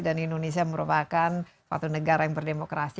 dan indonesia merupakan satu negara yang berdemokrasi